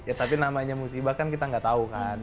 ya tapi namanya musibah kan kita nggak tahu kan